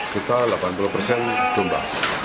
kita delapan puluh persen domba